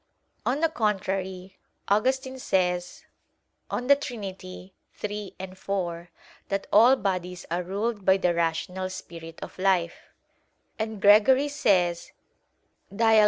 On the contrary, Augustine says (De Trin. iii, 4) that "all bodies are ruled by the rational spirit of life"; and Gregory says (Dial.